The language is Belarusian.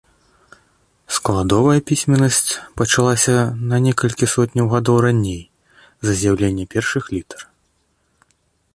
Складовая пісьменнасць пачалася на некалькі сотняў гадоў раней за з'яўленне першых літар.